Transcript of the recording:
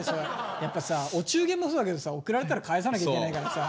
やっぱさお中元もそうだけどさ贈られたら返さなきゃいけないからさ。